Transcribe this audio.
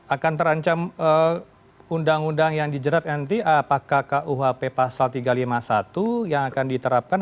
akan terancam undang undang yang dijerat nanti apakah kuhp pasal tiga ratus lima puluh satu yang akan diterapkan